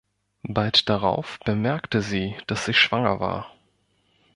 Bald darauf bemerkte sie, dass sie schwanger war.